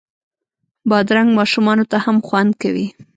بادرنګ ماشومانو ته هم خوند کوي.